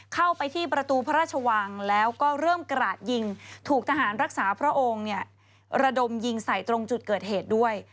เข้าไปที่ประตูพระราชวังแล้วก็เริ่มกราดยิงถูกทหารรักษาพระองค์เนี่ยระดมยิงใส่ตรงจุดเกิดเหตุด้วย